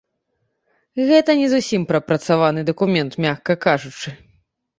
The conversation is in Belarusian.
Гэта не зусім прапрацаваны дакумент, мякка кажучы.